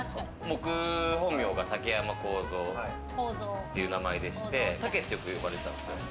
僕、本名が武山浩三という名前でして、たけって呼ばれてたんですよ。